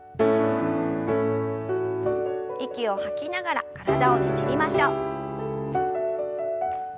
息を吐きながら体をねじりましょう。